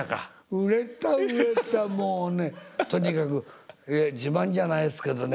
売れた売れたもうねとにかく自慢じゃないですけどね